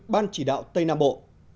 ban chỉ đạo tây nam bộ